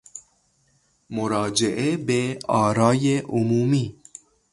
مراجعه به آرای عمومی